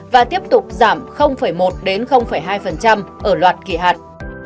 và tiếp tục giảm một hai ở loạt kỳ hạn